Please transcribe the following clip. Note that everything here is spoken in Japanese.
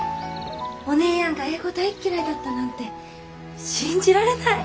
お姉やんが英語大っ嫌いだったなんて信じられない。